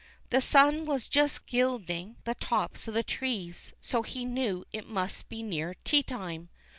The sun was just gilding the tops of the trees, so he knew it must be near teatime.